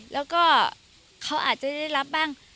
แล้วก็เขาอาจจะได้รับบ้าง